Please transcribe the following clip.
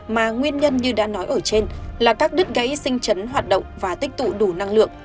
mà nguyên nhân như đã nói ở trên là các đứt gãy sinh chấn hoạt động và tích tụ đủ năng lượng